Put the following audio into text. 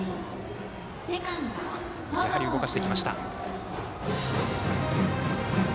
やはり動かしてきました。